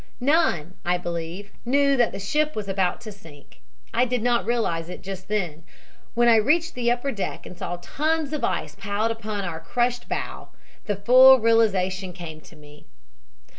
"None, I believe, knew that the ship was about to sink. I did not realize it just then. When I reached the upper deck and saw tons of ice piled upon our crushed bow the full realization came to me.